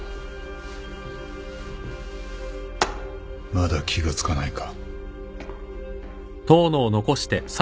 まだ気が付かないか。